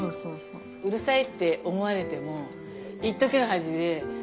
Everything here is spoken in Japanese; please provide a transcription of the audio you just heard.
うるさいって思われてもいっときの恥でその時に。